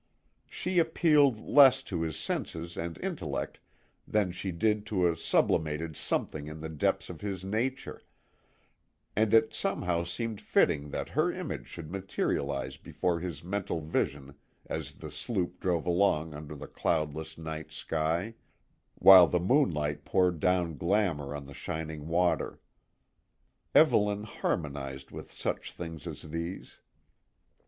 She appealed less to his senses and intellect than she did to a sublimated something in the depths of his nature; and it somehow seemed fitting that her image should materialise before his mental vision as the sloop drove along under the cloudless night sky, while the moonlight poured down glamour on the shining water. Evelyn harmonised with such things as these.